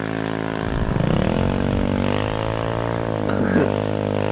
把酷儿理论应用到各种学科的研究被称为酷儿研究。